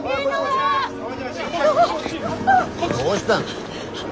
どうしたの。